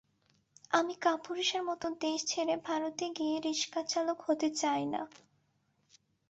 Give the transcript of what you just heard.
আমি কাপুরুষের মতো দেশ ছেড়ে ভারতে গিয়ে রিকশাচালক হতে চাই না।